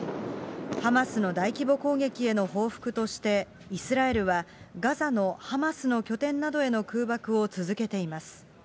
ハマスの大規模攻撃への報復として、イスラエルはガザのハマスの拠点などへの空爆を続けています。